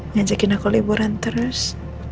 ngajakin aku liburan terus